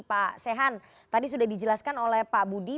pak sehan tadi sudah dijelaskan oleh pak budi